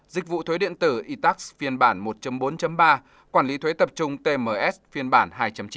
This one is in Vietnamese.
dịch vụ thuế điện tử itax phiên bản một bốn ba quản lý thuế tập trung tms phiên bản hai chín